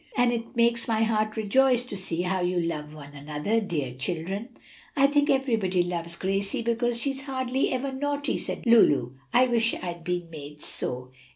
And it makes my heart rejoice to see how you love one another, dear children." "I think everybody loves Gracie, because she's hardly ever naughty," said Lulu; "I wish I'd been made so."